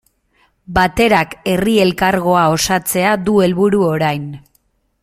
Baterak Herri Elkargoa osatzea du helburu orain.